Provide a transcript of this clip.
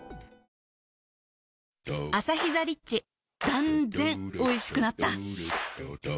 断然おいしくなった